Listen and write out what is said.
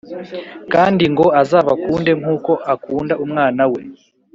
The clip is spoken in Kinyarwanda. kandi ngo azabakunde nk’uko akunda umwana we